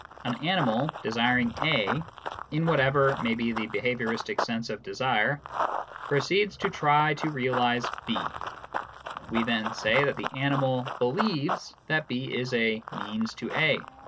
An animal, desiring A (in whatever may be the behaviouristic sense of "desire"), proceeds to try to realise B ; we then say that the animal " believes " that B is a means to A.